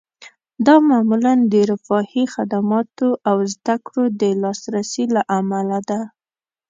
دا معمولاً د رفاهي خدماتو او زده کړو د لاسرسي له امله ده